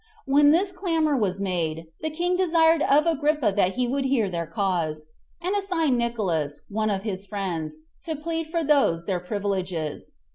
When this clamor was made, the king desired of Agrippa that he would hear their cause, and assigned Nicolaus, one of his friends, to plead for those their privileges.